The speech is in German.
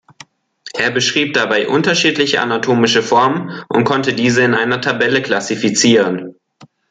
Er beschrieb dabei unterschiedliche anatomische Formen und konnte diese in einer Tabelle klassifizieren.